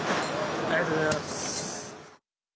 ありがとうございます。